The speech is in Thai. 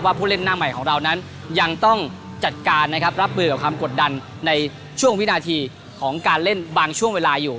ผู้เล่นหน้าใหม่ของเรานั้นยังต้องจัดการนะครับรับมือกับความกดดันในช่วงวินาทีของการเล่นบางช่วงเวลาอยู่